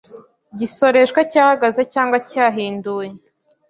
gisoreshwa cyahagaze cyangwa cyahinduwe